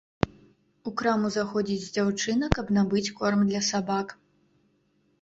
У краму заходзіць дзяўчына, каб набыць корм для сабак.